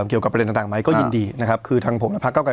เกี่ยวกับประเด็นต่างไหมก็ยินดีนะครับคือทางผมและพระเก้าไกร